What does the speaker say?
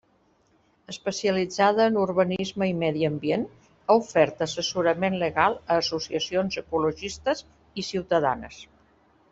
Especialitzada en urbanisme i medi ambient, ha ofert assessorament legal a associacions ecologistes i ciutadanes.